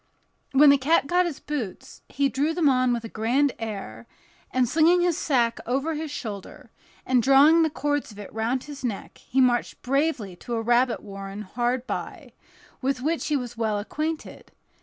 When the cat got his boots, he drew them on with a grand air, and slinging his sack over his shoulder, and drawing the cords of it round his neck, he marched bravely to a rabbit warren hard by, with which he was well acquainted.